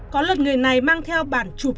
có lần người này mang theo bản chụp